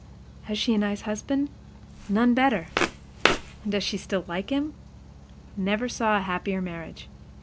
"Has she a nice husband?" "None better." "And does she still like him?" "Never saw a happier marriage."